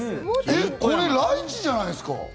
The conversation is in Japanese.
これライチじゃないですか？